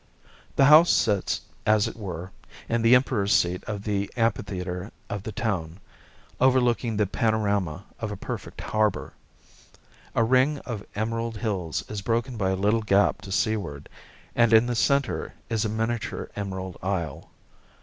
The house sits, as it were, in the emperor's seat of the amphitheatre of the town, overlooking the panorama of a perfect harbour. A ring of emerald hills is broken by a little gap to seaward, and in the centre is a miniature emerald isle.